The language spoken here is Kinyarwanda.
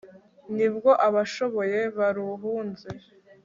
Ni bwo abashoboye baruhunze